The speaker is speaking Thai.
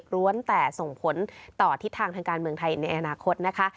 ้วนแต่ส่งผลต่อทิศทางทางการเมืองไทยในอนาคตนะคะ